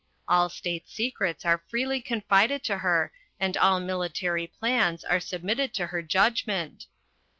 All state secrets are freely confided to her and all military plans are submitted to her judgment.